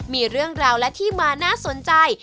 มีเรื่องราวและที่มาน่าสนใจ